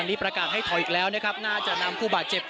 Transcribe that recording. นี่ประกาศให้ถอยอีกแล้วนะครับน่าจะนำผู้บาดเจ็บ